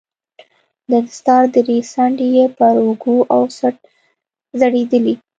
د دستار درې څنډې يې پر اوږو او څټ ځړېدې.